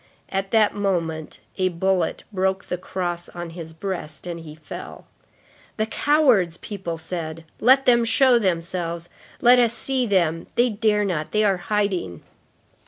—At that moment, a bullet broke the cross on his breast, and he fell. "The cowards!" people said. "Let them show themselves. Let us see them! They dare not! They are hiding!"